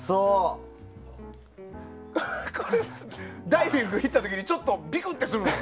ダイビング行った時にちょっとビクッとするもん。